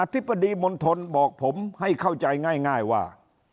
ธิบดีมณฑลบอกผมให้เข้าใจง่ายว่า